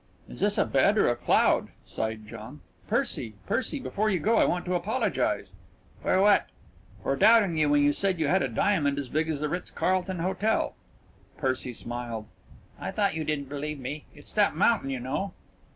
"Is this a bed or a cloud?" sighed John. "Percy, Percy before you go, I want to apologise." "For what?" "For doubting you when you said you had a diamond as big as the Ritz Carlton Hotel." Percy smiled. "I thought you didn't believe me. It's that mountain, you know."